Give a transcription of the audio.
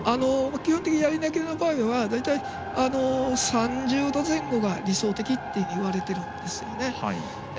基本的にやり投げの場合は大体、３０度前後が理想的といわれているんですね。